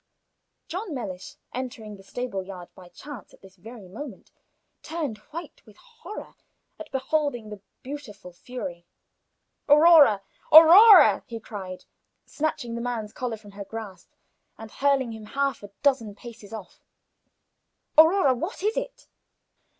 John Mellish, entering the stable yard by chance at this very moment, turned white with horror at beholding the beautiful fury. "Aurora! Aurora!" he cried, snatching the man's collar from her grasp, and hurling him half a dozen paces off. "Aurora, what is it?"